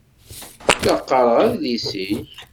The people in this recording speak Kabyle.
La qqaṛeɣ adlis-ik.